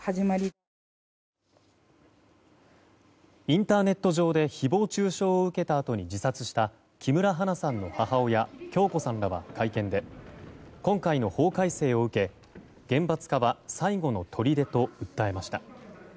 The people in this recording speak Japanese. インターネット上で誹謗中傷を受けたあとに自殺した木村花さんの母親響子さんらは会見で、今回の法改正を受け厳罰化は最後のとりでと訴えました。